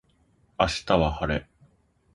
明日は晴れ